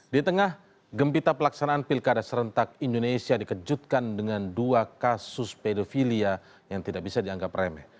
di tengah gempita pelaksanaan pilkada serentak indonesia dikejutkan dengan dua kasus pedofilia yang tidak bisa dianggap remeh